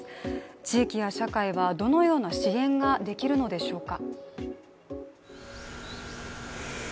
地域や社会はどのような支援ができるのでしょうか。